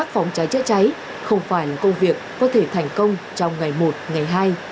phòng trái trái trái không phải là công việc có thể thành công trong ngày một ngày hai